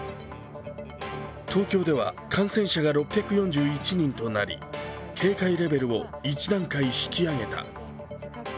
東京では感染者が６４１人となり警戒レベルを１段階引き上げた。